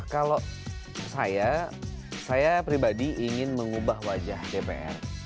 kalau saya saya pribadi ingin mengubah wajah dpr